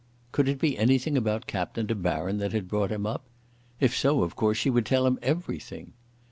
Could it be anything about Captain De Baron that had brought him up? If so, of course she would tell him everything.